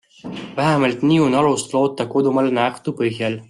Vähemalt nii on alust loota kodumaal nähtu põhjal.